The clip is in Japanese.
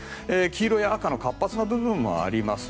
黄色や赤の活発な部分もあります。